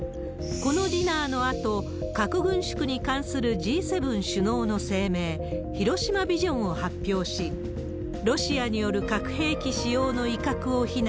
このディナーのあと、核軍縮に関するＧ７首脳の声明、広島ビジョンを発表し、ロシアによる核兵器使用の威嚇を非難。